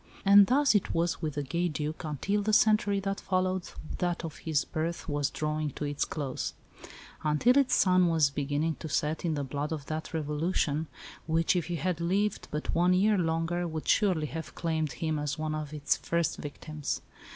And thus it was with the gay Duc until the century that followed that of his birth was drawing to its close; until its sun was beginning to set in the blood of that Revolution, which, if he had lived but one year longer, would surely have claimed him as one of its first victims.